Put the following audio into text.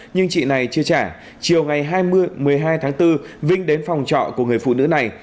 nhưng chị này chưa trả chiều ngày một mươi hai tháng bốn vinh đến phòng trọ của người phụ nữ này